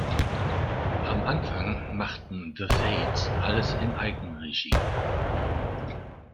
Am Anfang machten "The Fades" alles in Eigenregie.